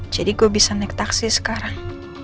jadi gue bisa naik taksi sekarang